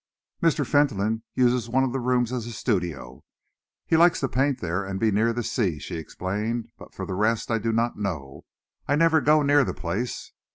"Mr. Fentolin uses one of the rooms as a studio. He likes to paint there and be near the sea," she explained. "But for the rest, I do not know. I never go near the place."